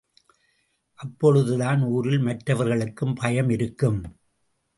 அப்பொழுதுதான் ஊரில் மற்றவர்களுக்கும் பயம் இருக்கும்.